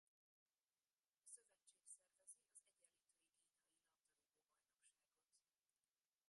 A szövetség szervezi az Egyenlítői-guineai labdarúgó-bajnokságot.